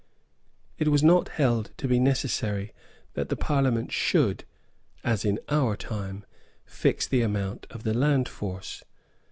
It was not held to be necessary that the Parliament should, as in our time, fix the amount of the land force.